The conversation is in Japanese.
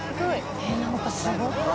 何かすごいな。